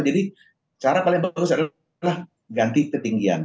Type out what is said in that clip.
jadi cara paling bagus adalah ganti ketinggian